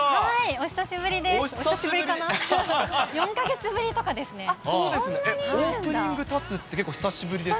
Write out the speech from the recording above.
お久しぶりです。